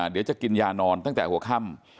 เดี๋ยวจะกินยานอนตั้งแต่หัวค่ำ